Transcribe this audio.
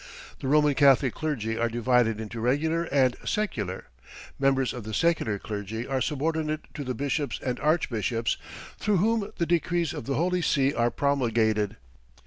The Roman Catholic clergy are divided into regular and secular. Members of the secular clergy are subordinate to the bishops and archbishops, through whom the decrees of the Holy See are promulgated.